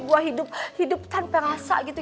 gue hidup tanpa rasa gitu